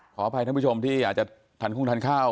ขออภัยท่านผู้ชมที่อาจจะทานคู่ทานข้าว